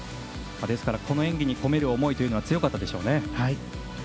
ですから、この演技に込める思い強かったでしょうね。